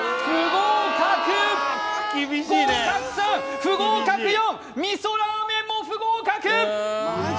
合格３不合格４味噌ラーメンも不合格！